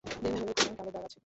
দেহ হলুদ এবং কালো দাগ আছে।